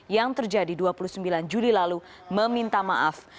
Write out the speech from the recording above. yang terjadi dua puluh sembilan juli lalu meminta maaf